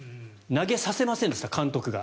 投げさせませんでした監督が。